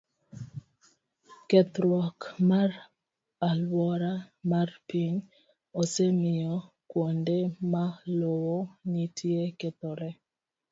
Kethruok mar alwora mar piny osemiyo kuonde ma lowo nitie okethore.